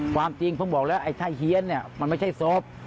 ความจริงผมบอกแล้วไอ้ถ้าเฮียนเนี่ยมันไม่ใช่ศพ